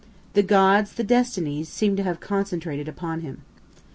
The gods, the destinies, seem to have concentrated upon him.